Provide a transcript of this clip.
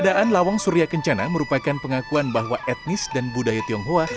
keberadaan lawang surya kencana merupakan pengakuan bahwa etnis dan budaya tionghoa